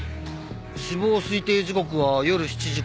死亡推定時刻は夜７時から９時。